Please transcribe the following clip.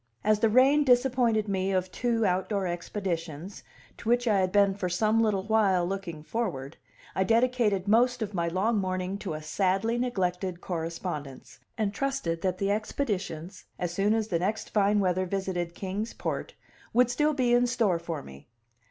As the rain disappointed me of two outdoor expeditions, to which I had been for some little while looking forward, I dedicated most of my long morning to a sadly neglected correspondence, and trusted that the expeditions, as soon as the next fine weather visited Kings Port, would still be in store for me.